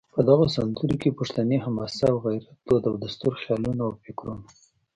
په دغو سندرو کې پښتني حماسه او غیرت، دود او دستور، خیالونه او فکرونه